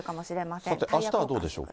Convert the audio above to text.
さて、あしたはどうでしょうか。